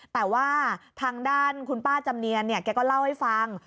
แต่ว่าทางด้านคุณป้าจำเนียนเนี่ยแกก็เล่าให้ฟัง